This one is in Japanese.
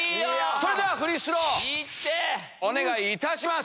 それではフリースローお願いいたします。